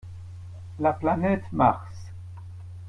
La planète Mars.